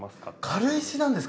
軽石なんですか？